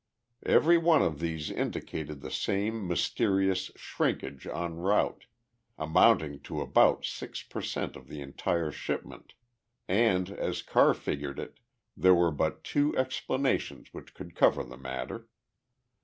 Every one of these indicated the same mysterious shrinkage en route, amounting to about six per cent of the entire shipment, and, as Carr figured it, there were but two explanations which could cover the matter.